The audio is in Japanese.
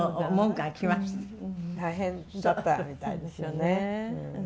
大変だったみたいですよね。